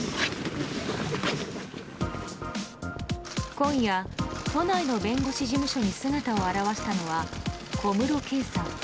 今夜、都内の弁護士事務所に姿を現したのは小室圭さん。